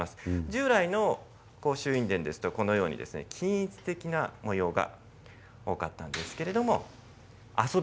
従来の甲州印伝ですとこのように均一的な模様が多かったんですけれども山本さん